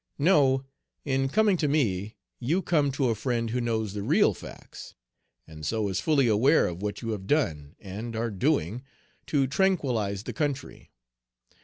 "No, in coming to me, you come to a friend who knows the real facts, and so is fully aware of what you have done and are doing to tranquillize the country.